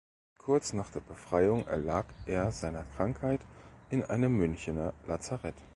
Kurz nach der Befreiung erlag er seiner Krankheit in einem Münchener Lazarett.